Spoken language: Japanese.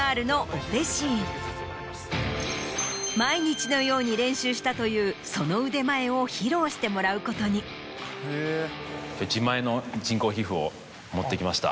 毎日のように練習したというその腕前を披露してもらうことに。を持ってきました。